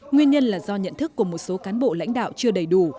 nguyên nhân là do nhận thức của một số cán bộ lãnh đạo chưa đầy đủ